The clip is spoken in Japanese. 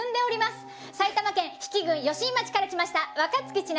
埼玉県比企郡吉見町から来ました若槻千夏